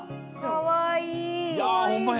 かわいいね。